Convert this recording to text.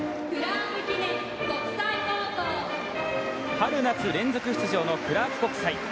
春夏連続出場のクラーク国際。